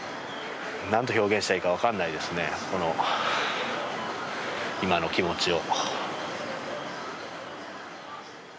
何と表現したらいいか分からないですね、今の気持ちを。